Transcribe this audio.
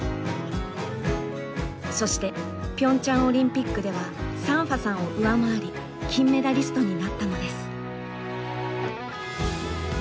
そしてピョンチャンオリンピックではサンファさんを上回り金メダリストになったのです。